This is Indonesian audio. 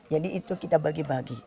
jadi itu kita bagi bagi